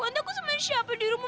nanti aku sama siapa di rumah